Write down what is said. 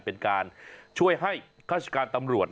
เป็นการช่วยให้การ